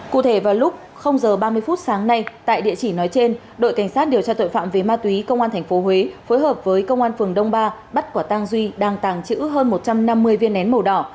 cụ thể vào lúc h ba mươi phút sáng nay tại địa chỉ nói trên đội cảnh sát điều tra tội phạm về ma túy công an tp huế phối hợp với công an phường đông ba bắt quả tang duy đang tàng trữ hơn một trăm năm mươi viên nén màu đỏ